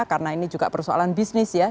karena ini juga persoalan bisnis ya